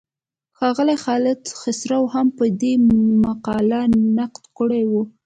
ښاغلي خالد خسرو هم پر دې مقاله نقد کړی و.